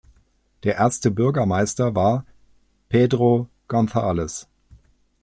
Der erste Bürgermeister war "Pedro González".